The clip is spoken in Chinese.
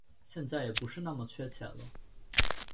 现在也不是那么缺钱了